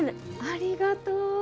ありがとう。